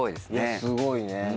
すごいね。